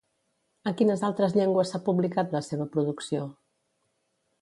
En quines altres llengües s'ha publicat la seva producció?